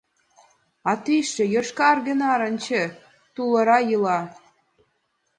А тӱсшӧ йошкарге-нарынче, тулорала йӱла.